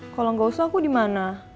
kalo gak usah aku dimana